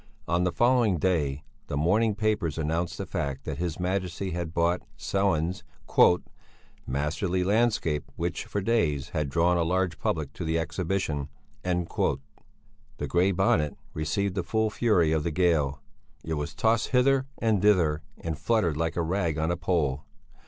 On the following day the morning papers announced the fact that his Majesty had bought Sellén's "masterly landscape which, for days, had drawn a large public to the Exhibition." The Grey Bonnet received the full fury of the gale; it was tossed hither and thither, and fluttered like a rag on a pole.